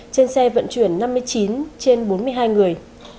trên xe vận chuyển năm mươi chín trên bốn mươi hai người